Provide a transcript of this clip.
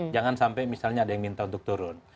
jangan sampai misalnya ada yang minta untuk turun